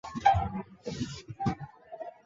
一在今河北省涿鹿县东南。